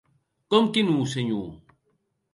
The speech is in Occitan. Com que non, senhor?